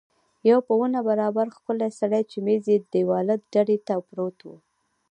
یو په ونه برابر ښکلی سړی چې مېز یې دېواله ډډې ته پروت و.